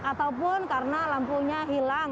ataupun karena lampunya hilang